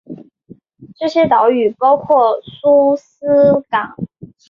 这些岛屿包括苏斯港。